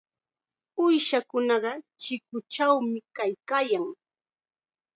Uushakunaqa chikunchawmi kaykaayan.